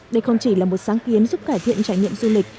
đây không chỉ là một sáng kiến giúp cải thiện trải nghiệm du lịch